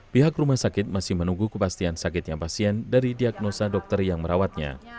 pihak rumah sakit masih menunggu kepastian sakitnya pasien dari diagnosa dokter yang merawatnya